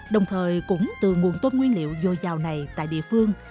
đồng thời cũng từ nguồn tôm nguyên liệu dồi dào này tại địa phương